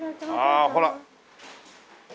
ああほら。